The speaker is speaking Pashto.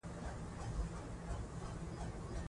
ښوونځی اکاډیمی پوهنتونونه